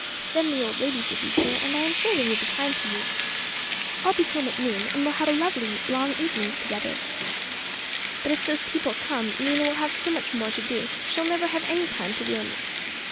Then the old ladies will be here, and I am sure they will be kind to you. I'll be home at noon, and we'll have lovely long evenings together." "But if those people come, Mena will have so much more to do, she'll never have any time to wheel me.